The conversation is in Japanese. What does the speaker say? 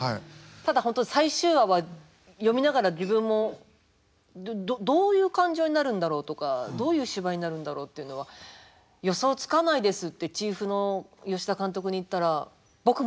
ただ本当最終話は読みながら自分もどういう感情になるんだろうとかどういう芝居になるんだろうっていうのは予想つかないですってチーフの吉田監督に言ったら僕もですっておっしゃってました。